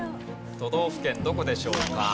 都道府県どこでしょうか？